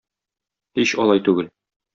Һич алай түгел.